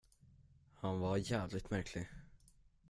Han var jävligt märklig.